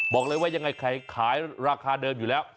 บอกเลยว่ายังไงใครขายราคาเดิมอยู่แล้ว